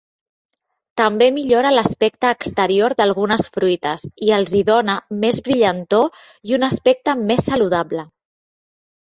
També millora l'aspecte exterior d'algunes fruites i els hi dóna més brillantor i un aspecte més saludable.